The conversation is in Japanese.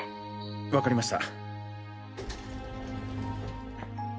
わかりました。